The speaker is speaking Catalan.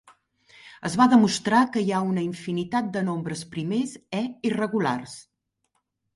Es va demostrar que hi ha una infinitat de nombres primers E-irregulars.